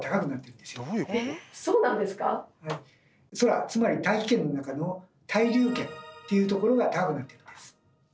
空つまり大気圏の中の「対流圏」っていうところが高くなっていくんです。